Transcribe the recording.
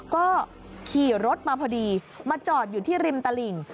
ก็ขี่รถมาพอดีมาจอดอยู่ที่ริมตลิ่ง